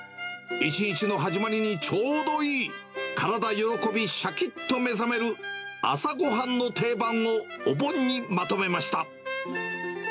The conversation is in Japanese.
１日の始まりにちょうどいい、体喜び、しゃきっと目覚める、朝ごはんの定番をお盆にまとめました。